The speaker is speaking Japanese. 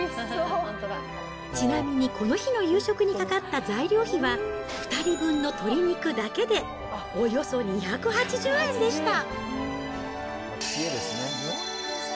ちなみにこの日の夕食にかかった材料費は、２人分の鶏肉だけでおよそ２８０円でした。